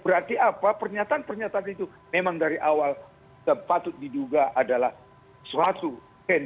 berarti apa pernyataan pernyataan itu memang dari awal sepatut diduga adalah suatu ken